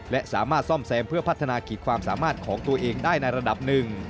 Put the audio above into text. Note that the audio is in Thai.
และสามารถซ่อมแซมเพื่อพัฒนาขีดความสามารถของตัวเองได้ในระดับหนึ่ง